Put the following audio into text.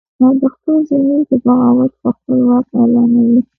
او د خپل ضمیر د بغاوته به خپل واک اعلانوي